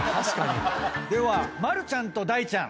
では丸ちゃんと大ちゃん